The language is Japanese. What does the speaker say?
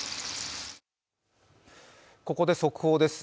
ここで速報です。